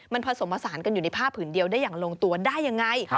มันผสมผสานกันอยู่ในผ้าผืนเดียวได้อย่างลงตัวได้ยังไง